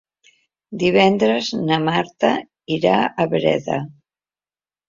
Divendres na Marta irà a Breda.